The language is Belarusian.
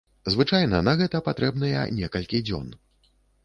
Звычайна на гэта патрэбныя некалькі дзён.